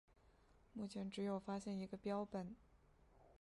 目前只有发现一个标本。